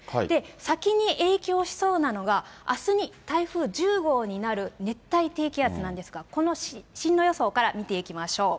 先に影響しそうなのが、あすに台風１０号になる熱帯低気圧なんですが、この進路予想から見ていきましょう。